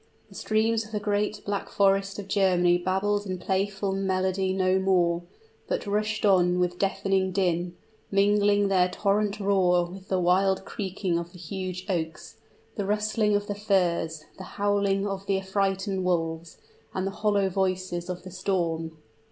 The streams of the great Black Forest of Germany babbled in playful melody no more, but rushed on with deafening din, mingling their torrent roar with the wild creaking of the huge oaks, the rustling of the firs, the howling of the affrighted wolves, and the hollow voices of the storm.